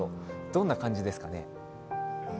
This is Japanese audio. どんな感じですかね？